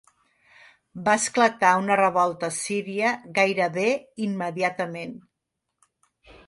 Va esclatar una revolta a Síria gairebé immediatament.